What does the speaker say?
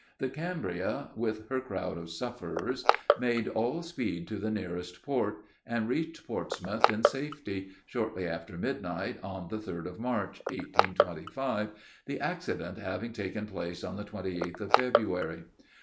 The Cambria, with her crowd of sufferers, made all speed to the nearest port, and reached Portsmouth in safety, shortly after midnight, on the 3d of March, 1825, the accident having taken place on the 28th of February.